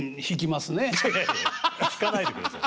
いや引かないでください。